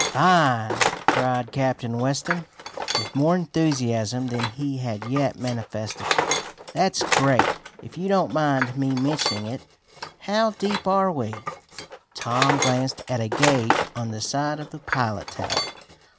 "Fine!" cried Captain Weston, with more enthusiasm than he had yet manifested. "That's great, if you don't mind me mentioning it. How deep are we?" Tom glanced at a gage on the side of the pilot tower.